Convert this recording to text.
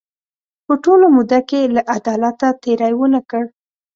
په ټوله موده کې له عدالته تېری ونه کړ.